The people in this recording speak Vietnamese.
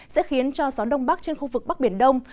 sẽ khiến cho gió đông bắc trên khu vực bắc biển đông